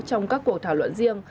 trong các cuộc thảo luận riêng